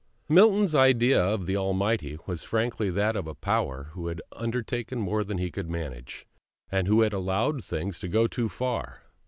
Milton's idea of the Almighty was frankly that of a Power who had undertaken more than he could manage, and who had allowed things to go too far.